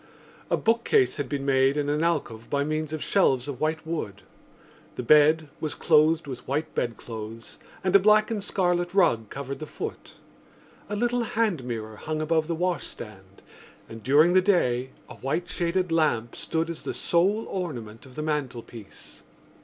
A bookcase had been made in an alcove by means of shelves of white wood. The bed was clothed with white bedclothes and a black and scarlet rug covered the foot. A little hand mirror hung above the washstand and during the day a white shaded lamp stood as the sole ornament of the mantelpiece.